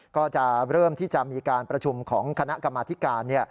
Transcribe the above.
ก็จะเริ่มที่จะมีการประชุมของคณะกรรมธิการ